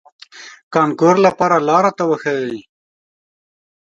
کانکور لپاره لار راته وښوئ.